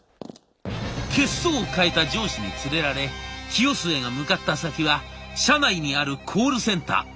血相を変えた上司に連れられ清末が向かった先は社内にあるコールセンター。